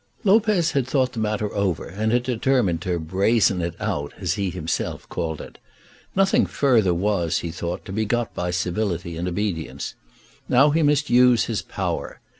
Lopez had thought the matter over, and had determined to "brazen it out," as he himself called it. Nothing further was, he thought, to be got by civility and obedience. Now he must use his power.